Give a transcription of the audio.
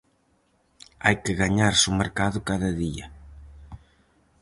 Hai que gañarse o mercado cada día.